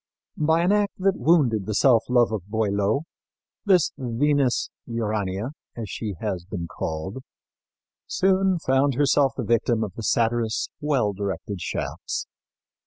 By an act that wounded the self love of Boileau this Venus Urania, as she has been called, soon found herself the victim of the satirist's well directed shafts.